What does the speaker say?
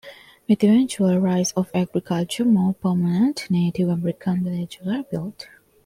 With the eventual rise of agriculture more permanent Native-American villages were built.